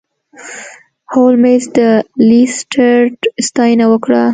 هولمز د لیسټرډ ستاینه وکړه.